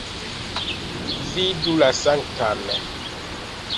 Vidu la Sanktan!